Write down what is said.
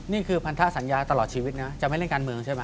นี่คือพันธสัญญาตลอดชีวิตนะจะไม่เล่นการเมืองใช่ไหม